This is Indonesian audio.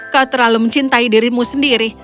kau terlalu mencintai dirimu sendiri